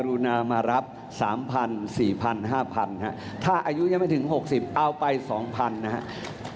รุณามารับ๓๐๐๔๐๐๕๐๐ถ้าอายุยังไม่ถึง๖๐เอาไป๒๐๐๐นะครับ